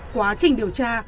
quá trình điều tra